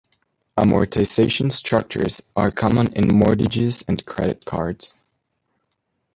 Amortization structures are common in mortgages and credit cards.